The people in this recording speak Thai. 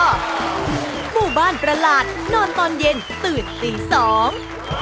หมู่บ้านประหลาดนอนตอนเย็นตื่นตีสอง